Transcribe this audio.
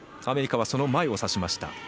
アメリカは、その前を指しました。